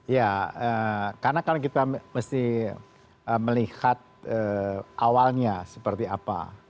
ya karena kan kita mesti melihat awalnya seperti apa